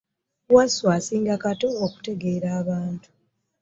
Wasswa asinga ku Kato okutegeera abantu.